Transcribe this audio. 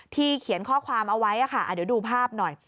เขียนข้อความเอาไว้ค่ะเดี๋ยวดูภาพหน่อย